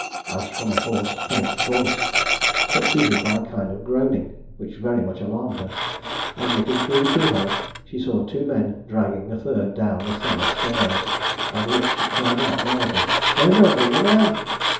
as from a hoarse faint voice, succeeded by a kind of groaning, which very much alarmed her; and, looking through the key hole, she saw two men dragging a third down the cellar stairs; on which she cried out loudly "They're murdering a man!"